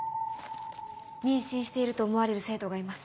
妊娠していると思われる生徒がいます。